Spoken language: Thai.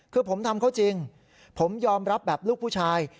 คือผมทำเขาจริงผมยอมรับแบบลูกผู้ชาย